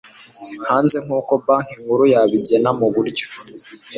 hanze nk uko Banki Nkuru yabigena mu buryo